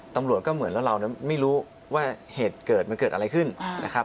ตำรวจก็เหมือนแล้วเราไม่รู้ว่าเหตุเกิดมันเกิดอะไรขึ้นนะครับ